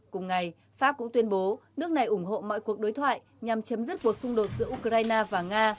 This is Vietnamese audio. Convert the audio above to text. cùng ngày pháp cũng tuyên bố nước này ủng hộ mọi cuộc đối thoại nhằm chấm dứt cuộc xung đột giữa ukraine và nga